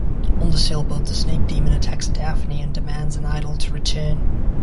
On the sailboat, the snake demon attacks Daphne and demands an idol to return.